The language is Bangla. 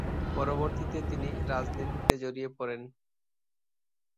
পরবর্তীতে তিনি রাজনীতিতে জড়িয়ে পড়েন।